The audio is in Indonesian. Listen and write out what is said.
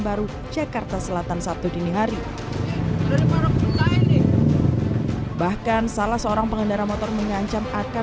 baru jakarta selatan sabtu dini hari bahkan salah seorang pengendara motor mengancam akan